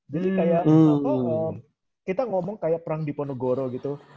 jadi kayak kita ngomong kayak perang diponegoro gitu